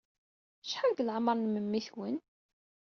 Acḥal deg leɛmeṛ n memmi-twen?